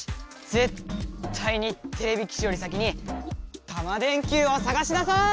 ぜったいにてれび騎士より先にタマ電Ｑをさがし出そう！